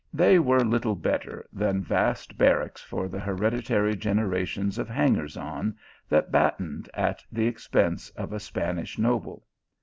They were little better than vast barracks for the hereditary generations of hangers on that battened at the ex pense of a Spanish noble.